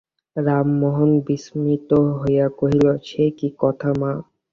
রামমোহন বিস্মিত হইয়া কহিল, সে কী কথা মা।